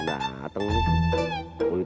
jangan terlalu banyak